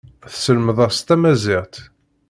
Tesselmed-as tamaziɣt.